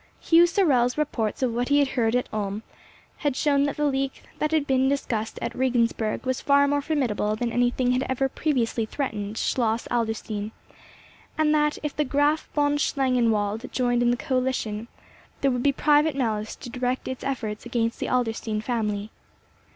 Hugh Sorel's reports of what he heard at Ulm had shown that the league that had been discussed at Regensburg was far more formidable than anything that had ever previously threatened Schloss Adlerstein, and that if the Graf von Schlangenwald joined in the coalition, there would be private malice to direct its efforts against the Adlerstein family.